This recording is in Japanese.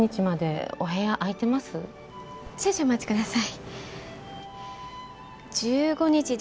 少々お待ちください。